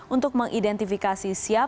untuk mengidentifikasi siap